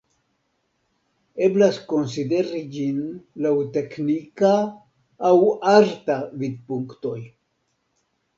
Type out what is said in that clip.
Eblas konsideri ĝin laŭ teknika aŭ arta vidpunktoj.